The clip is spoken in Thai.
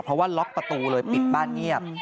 เพราะว่าล็อกประตูเลยปิดบ้านเงียบ